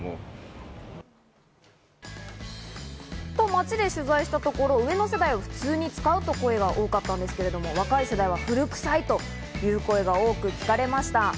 街で取材したところ、上の世代は普通に使うという声が多かったんですけども、若い世代は古くさいという声が多く聞かれました。